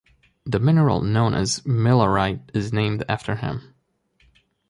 The mineral known as millerite is named after him.